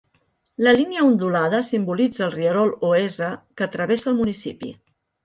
La línia ondulada simbolitza el rierol Oese que travessa el municipi.